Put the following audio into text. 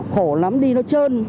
khổ lắm đi nó trơn